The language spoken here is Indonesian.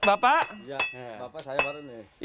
bapak saya baru nih